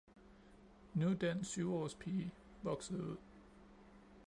nu er den syvårs pige vokset ud